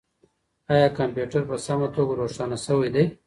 آیا کمپیوټر په سمه توګه روښانه شوی دی؟